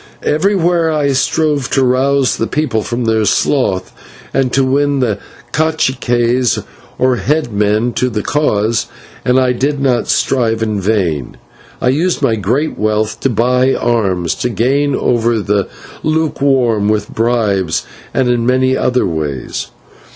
Everywhere I strove to rouse the people from their sloth, and to win the /caciques/, or head men, to the cause, and I did not strive in vain. I used my great wealth to buy arms, to gain over the lukewarm with bribes, and in many other ways.